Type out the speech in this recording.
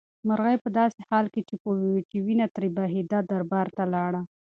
مرغۍ په داسې حال کې چې وینه ترې بهېده دربار ته لاړه.